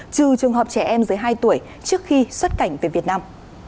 trừ trường hợp trẻ em dưới hai tuổi trước khi xuất cảnh về việt nam